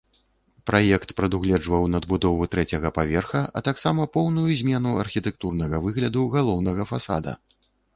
Праект прадугледжваў надбудову трэцяга паверха, а таксама поўную змену архітэктурнага выгляду галоўнага фасада.